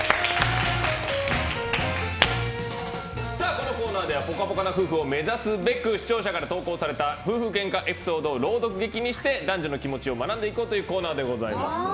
このコーナーではぽかぽかな夫婦を目指すべく視聴者から投稿された夫婦ゲンカエピソードを朗読劇にして男女の気持ちを学んでいこうというコーナーです。